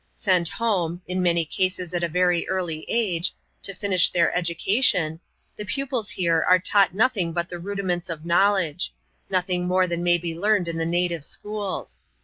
Sent home — in many cases, at a very early age — to finish their education, the pupils here are taught nothing but the rudi ments of knowledge ; nothing more than may be learned in the native schools.